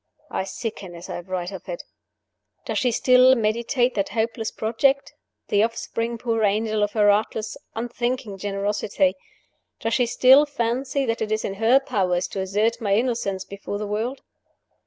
I sicken as I write of it. "Does she still meditate that hopeless project the offspring, poor angel, of her artless, unthinking generosity? Does she still fancy that it is in her power to assert my innocence before the world?